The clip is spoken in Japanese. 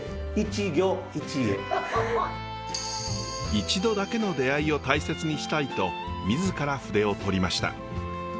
一度だけの出会いを大切にしたいと自ら筆を執りました。